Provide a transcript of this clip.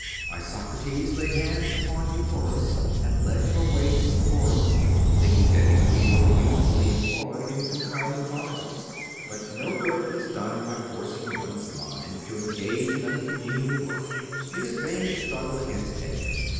Isocrates laid hands upon Ephorus and led him away from the forum, thinking that he would be more usefully em ployed in compiling chronicles ; for no good is done by forcing one's mind to engage in uncongenial work : it is vain to struggle against Nature.